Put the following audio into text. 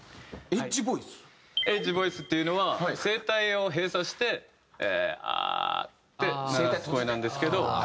エッジボイスっていうのは声帯を閉鎖して「アー」って鳴らす声なんですけど。